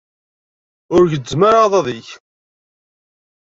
Ur gezzem ara aḍad-ik.